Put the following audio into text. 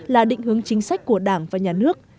là định hướng chính sách của đảng và nhà nước